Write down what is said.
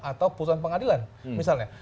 atau putusan pengadilan misalnya